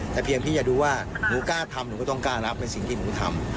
แต่เพียงพี่จะดูว่าหนูกล้าทำหนูก็ต้องกล้ารับในสิ่งที่หนูทำ